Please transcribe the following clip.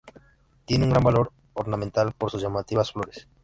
Tiene un gran valor ornamental, por sus llamativas flores.